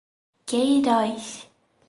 Queiroz